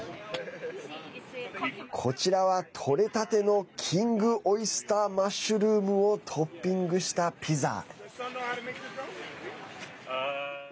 こちらは、とれたてのキングオイスターマッシュルームをトッピングしたピザ。